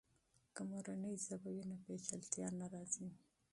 که مورنۍ ژبه وي، نو پیچلتیا نه راځي.